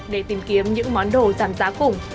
để tìm kiếm những món đồ giảm giá cùng